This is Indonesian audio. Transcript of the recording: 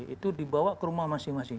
itu dibawa ke rumah masing masing